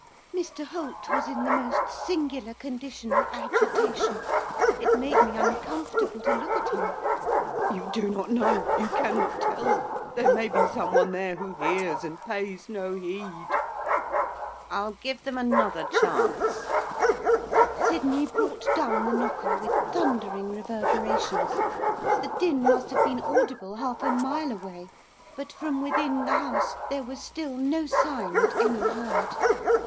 Mr Holt was in the most singular condition of agitation, it made me uncomfortable to look at him. 'You do not know, you cannot tell; there may be someone there who hears and pays no heed.' 'I'll give them another chance.' Sydney brought down the knocker with thundering reverberations. The din must have been audible half a mile away. But from within the house there was still no sign that any heard.